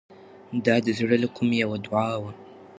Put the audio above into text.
دا د زړه له کومې یوه دعا وه.